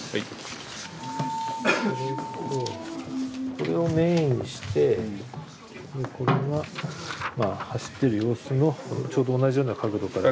これをメインにしてでこれはまあ走ってる様子のちょうど同じような角度から。